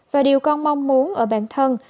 và điều con mong muốn ở bản thân